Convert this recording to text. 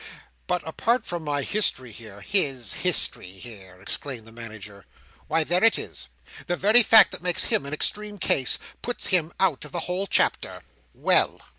"But apart from my history here—" "His history here!" exclaimed the Manager. "Why, there it is. The very fact that makes him an extreme case, puts him out of the whole chapter! Well?"